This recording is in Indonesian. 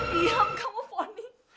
diam kamu fonny